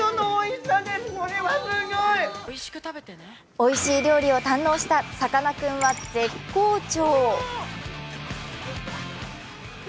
おいしい料理を堪能したさかなクンは絶好調。